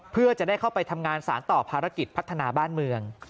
เพื่อจะได้เข้าไปทำงานสารต่อภารกิจพัฒนาบ้านเมือง